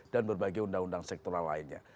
dan berbagai undang undang sektor lainnya